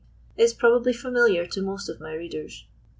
is probably familiar to most of my readers.